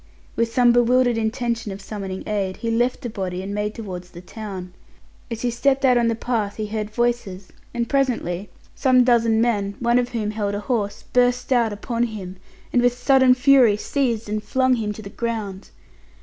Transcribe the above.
With some bewildered intention of summoning aid, he left the body and made towards the town. As he stepped out on the path he heard voices, and presently some dozen men, one of whom held a horse, burst out upon him, and, with sudden fury, seized and flung him to the ground.